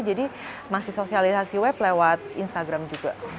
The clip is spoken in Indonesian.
jadi masih sosialisasi web lewat instagram juga